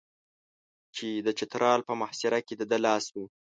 چې د چترال په محاصره کې د ده لاس و.